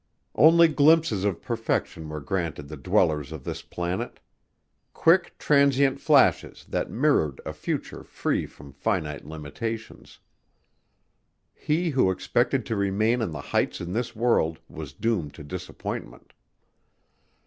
Only glimpses of perfection were granted the dwellers of this planet, quick, transient flashes that mirrored a future free from finite limitations. He who expected to remain on the heights in this world was doomed to disappointment.